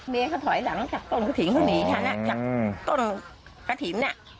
เขาถอยหลังจากต้นกระถิ่นเขาหนีฉันจากต้นกระถิ่น